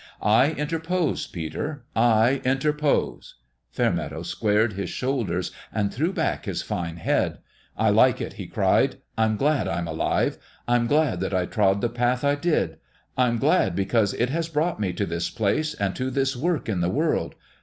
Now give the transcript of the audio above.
I interpose, Peter I interpose 1 " Fairmeadow squared his shoul ders and threw back his fine head. " I like it !" he cried. " I'm glad I'm alive. I'm glad that I trod the path I did. I'm glad because it has brought me to this place and to this work in the world.